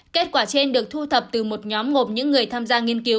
kết quả trên được thu thập từ một nhóm ngộp những người tham gia nghiên cứu